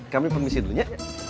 kami permisi dulunya